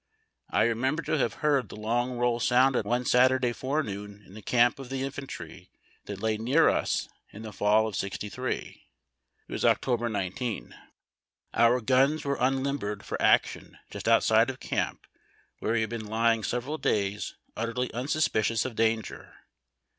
I remember to have heard the long roll sounded one Saturday forenoon in the camp of the infantry that lay near us in the fall of '63*; it was October 10. Our guns were unlimbered for action just outside of camp where we had been hdng several days utterly unsuspicious of danger.